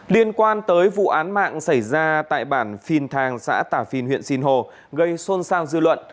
liên quan tới vụ án mạng xảy ra tại bản phìn thang xã tà phi huyện sinh hồ gây xôn xao dư luận